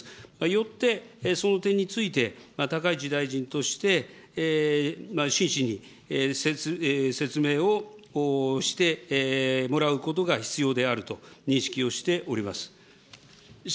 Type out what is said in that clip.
よって、その点について、高市大臣として真摯に説明をしてもらうことが必要であると認識をしております。